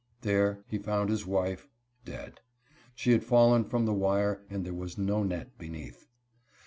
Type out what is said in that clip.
There he found his wife dead. She had fallen from the wire and there was no net beneath.